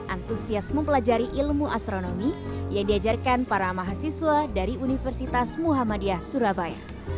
antusias mempelajari ilmu astronomi yang diajarkan para mahasiswa dari universitas muhammadiyah surabaya